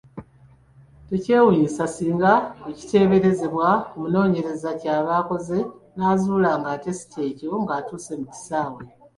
Tekyewuunyisa singa ekiteeberezebwa omunoonyereza ky'aba akoze n’azuula ng’ate si kyekyo ng’atuuse mu kisaawe.